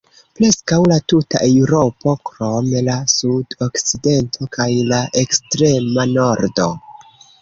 Preskaŭ la tuta Eŭropo krom la sud-okcidento kaj la ekstrema nordo.